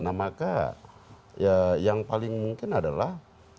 nah maka ya yang paling mungkin adalah